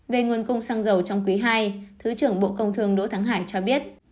về nguồn cung xăng dầu trong quý ii thứ trưởng bộ công thương đỗ thắng hải cho biết